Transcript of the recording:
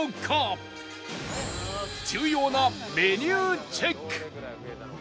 重要なメニューチェック！